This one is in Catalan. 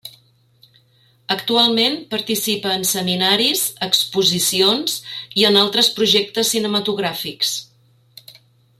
Actualment participa en seminaris, exposicions i en altres projectes cinematogràfics.